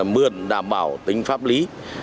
mượn đảm bảo tính pháp lý